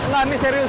lah ini serius